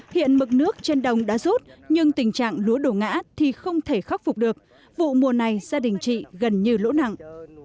hiện mực nước trên đồng đã rút nhưng tình trạng lúa đổ ngã thì không thể khắc phục được vụ mùa này gia đình chị gần như lỗ nặng